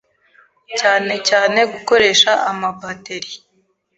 cyane cyane gukoresha ama batterie